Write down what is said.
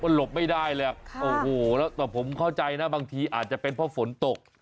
หลบไม่ได้เลยอ่ะโอ้โหแล้วแต่ผมเข้าใจนะบางทีอาจจะเป็นเพราะฝนตก